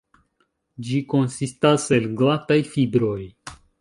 Ĝi konsistas el glataj fibroj.